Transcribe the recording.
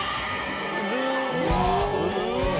うわ！